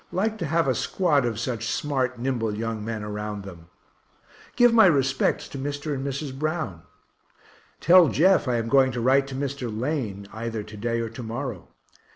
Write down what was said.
like to have a squad of such smart, nimble young men around them. Give my respects to Mr. and Mrs. Brown. Tell Jeff I am going to write to Mr. Lane either to day or to morrow.